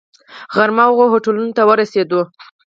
غرمه هغو هوټلونو ته ورسېدو.